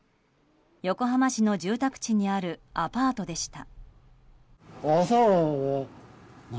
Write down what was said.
横浜市の住宅地にあるアパートでした。